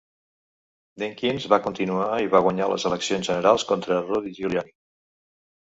Dinkins va continuar i va guanyar les eleccions generals contra Rudy Giuliani.